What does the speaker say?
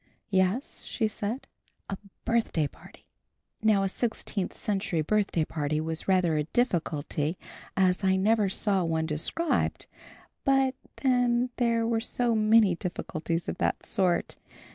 "Yes," she said, "a birthday party." Now a sixteenth century birthday party was rather a difficulty as I never saw one described; but then there were so many difficulties of that sort.